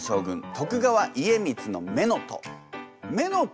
徳川家光の乳母。